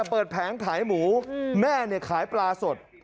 เอิ้นเปิดแผงขายหมูแม่ขายปลาสด